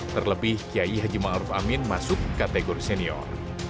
terlebih kiai haji ma'ruf amin masuk kategori senior